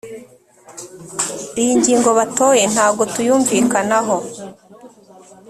iyi ngingo batoye ntago tuyumvikanaho